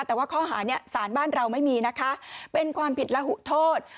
แต่ว่าข้อหาเนี่ยสารบ้านเราไม่มีนะคะเป็นความผิดระหุโทษ